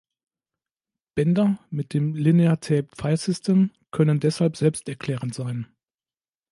Bänder mit dem "Linear Tape File System" können deshalb selbsterklärend sein.